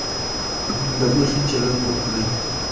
له مخي چلند وکړي.